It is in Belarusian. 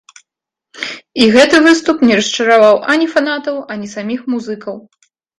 І гэты выступ не расчараваў ані фанатаў, ані саміх музыкаў.